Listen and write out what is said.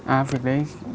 à việc đấy